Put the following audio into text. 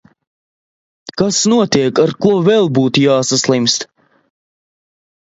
Kas notiek, ar ko vēl būtu jāsaslimst?...